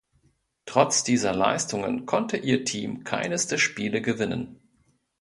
Trotz dieser Leistungen konnte ihr Team keines der Spiele gewinnen.